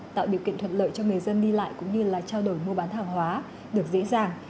tạo điều kiện thuận lợi cho người dân đi lại cũng như là trao đổi mua bán hàng hóa được dễ dàng